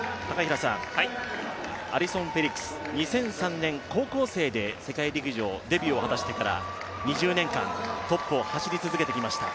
アリソン・フェリックス２００３年、高校生で世界陸上デビューを果たしてから２０年間、トップを走り続けてきました。